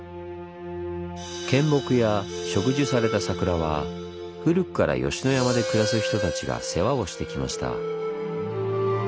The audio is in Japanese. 献木や植樹された桜は古くから吉野山で暮らす人たちが世話をしてきました。